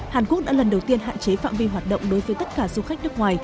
hàn quốc đã lần đầu tiên hạn chế phạm vi hoạt động đối với tất cả du khách nước ngoài